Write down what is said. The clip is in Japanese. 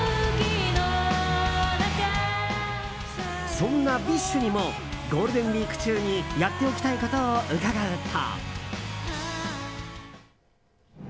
そんなＢｉＳＨにもゴールデンウィーク中にやっておきたいことを伺うと。